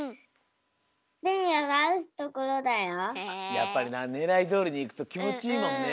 やっぱりなねらいどおりにいくときもちいいもんね。